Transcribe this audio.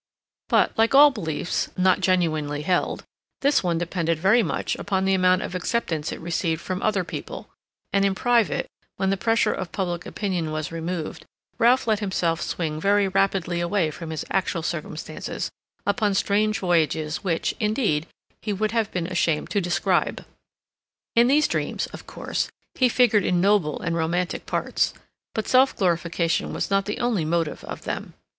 But, like all beliefs not genuinely held, this one depended very much upon the amount of acceptance it received from other people, and in private, when the pressure of public opinion was removed, Ralph let himself swing very rapidly away from his actual circumstances upon strange voyages which, indeed, he would have been ashamed to describe. In these dreams, of course, he figured in noble and romantic parts, but self glorification was not the only motive of them.